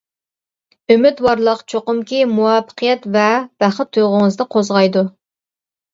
ئۈمىدۋارلىق چوقۇمكى مۇۋەپپەقىيەت ۋە بەخت تۇيغۇڭىزنى قوزغايدۇ.